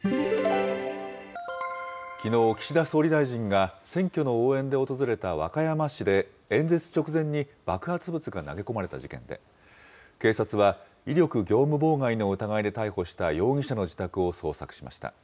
きのう、岸田総理大臣が選挙の応援で訪れた和歌山市で、演説直前に爆発物が投げ込まれた事件で、警察は、威力業務妨害の疑いで逮捕した容疑者の自宅を捜索しました。